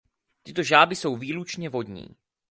Tyto žáby jsou výlučně vodní.